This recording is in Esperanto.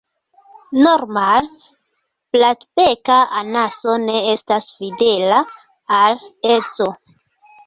Normale Platbeka anaso ne estas fidela al edzo.